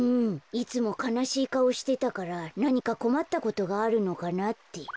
いつもかなしいかおしてたからなにかこまったことがあるのかなって。